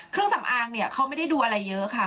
เครื่องสำอางเนี่ยเขาไม่ได้ดูอะไรเยอะค่ะ